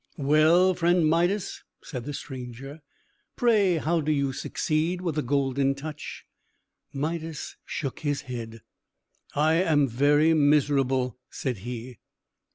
"Well, friend Midas," said the stranger, "pray how do you succeed with the Golden Touch?" Midas shook his head. "I am very miserable," said he.